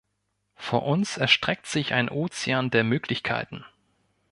Vor uns erstreckt sich ein Ozean der Möglichkeiten.